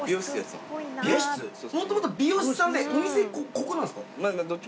もともと美容師さんでお店ここなんですか？